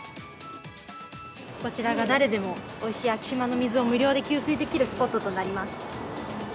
こちらが誰でもおいしい昭島の水を無料で給水できるスポットとなります。